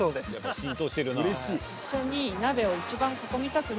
［浸透してるな］